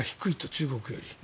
中国より。